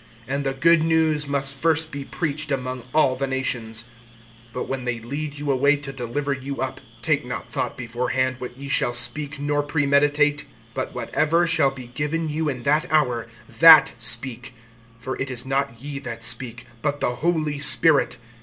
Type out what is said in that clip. (10)And the good news must first be preached among all the nations. (11)But when they lead you away to deliver you up, take not thought beforehand what ye shall speak nor premeditate; but whatever shall be given you in that hour, that speak; for it is not ye that speak, but the Holy Spirit.